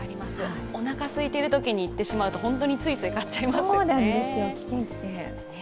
おなか空いているときに行ってしまうと、本当についつい買ってしまいますよね。